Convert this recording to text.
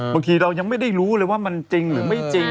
บางทีเรายังไม่ได้รู้เลยว่ามันจริงหรือไม่จริง